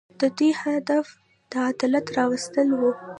د دوی هدف د عدالت راوستل وو.